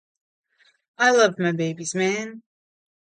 I love my babies mahn